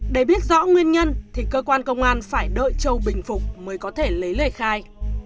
để biết rõ nguyên nhân thì cơ quan công an phải đợi châu bình phục mới có thể lấy lời khai